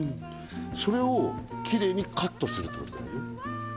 それをきれいにカットするってことだよね